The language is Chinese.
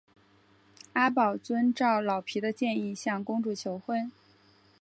阿宝遵照老皮的建议向公主求婚。